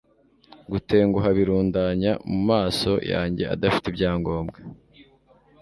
gutenguha birundanya mumaso yanjye adafite ibyangombwa